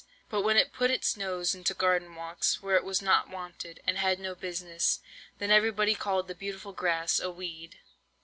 But when it put its nose into garden walks, where it was not wanted, and had no business, then everybody called the beautiful Grass a weed."